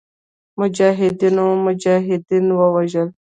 مجاهدینو مجاهدین وژل.